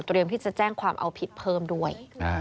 ที่จะแจ้งความเอาผิดเพิ่มด้วย